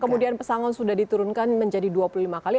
kemudian pesangon sudah diturunkan menjadi dua puluh lima kali